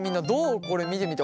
これ見てみて。